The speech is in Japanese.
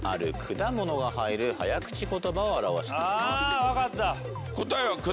あ分かった！